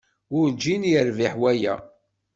Werǧin yerbiḥ waya.